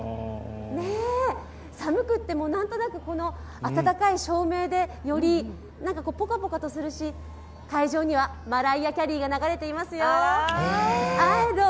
寒くても何となく温かい照明でよりポカポカとするし、会場にはマライア・キャリーが流れてますよ。